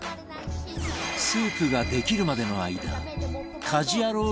スープができるまでの間『家事ヤロウ！！！』